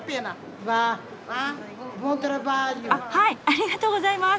あっはいありがとうございます。